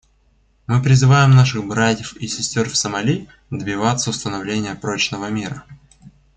Мы призываем наших братьев и сестер в Сомали добиваться установления прочного мира.